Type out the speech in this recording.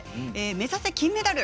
目指せ金メダル。